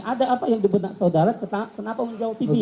ada apa yang dibenak saudara kenapa menjawab tv